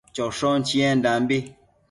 choshon chiendambi